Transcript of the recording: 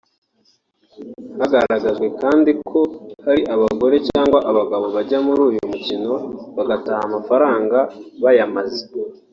Hagaragajwe kandi ko hari abagore cyangwa abagabo bajya muri uyu mukino bagataha amafaranga bayamaze